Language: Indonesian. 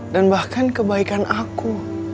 dan bahkan kebaikan aku